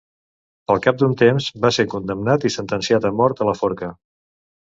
Al cap d'un temps, va ser condemnat i sentenciat a mort a la forca.